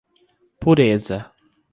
Pureza